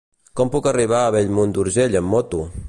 Com puc arribar a Bellmunt d'Urgell amb moto?